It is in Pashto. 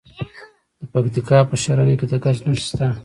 د پکتیکا په ښرنه کې د ګچ نښې شته.